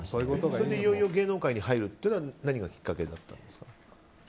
それでいよいよ芸能界に入るっていうのは何がきっかけだったんですか？